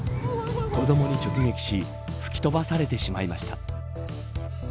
子どもに直撃し吹き飛ばされてしまいました。